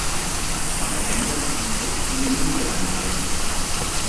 Man erkennt es an subtilen Ungereimtheiten.